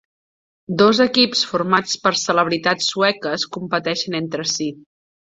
Dos equips formats per celebritats sueques competeixen entre si.